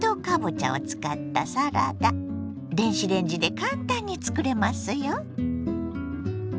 電子レンジで簡単につくれますよ。